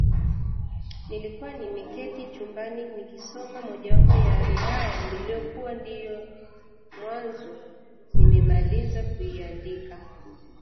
Nilikuwa nimeketi chumbani nikisoma mojawapo wa riwaya niliyokuwa ndiyo mwanzo nimemaliza kuiandika